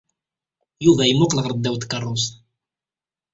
Yuba yemmuqqel ɣer ddaw tkeṛṛust.